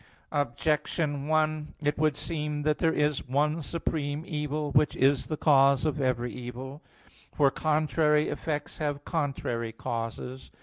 Objection 1: It would seem that there is one supreme evil which is the cause of every evil. For contrary effects have contrary causes.